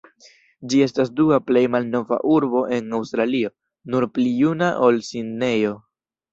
Ĝi estas dua plej malnova urbo en Aŭstralio, nur pli juna ol Sidnejo.